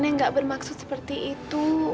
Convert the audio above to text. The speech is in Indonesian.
nenek nggak bermaksud seperti itu